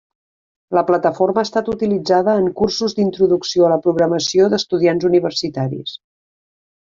La plataforma ha estat utilitzada en cursos d'introducció a la programació d'estudiants universitaris.